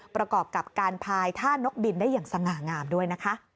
ประกอบกับการพายท่านกบินได้อย่างสง่างามด้วยนะคะ